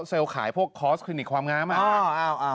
เซลล์ขายพวกคอร์สคลินิคความง้ามาก